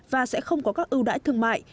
và sẽ không có các ưu đãi thương mại